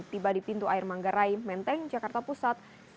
tiba di pintu air manggarai menteng jakarta pusat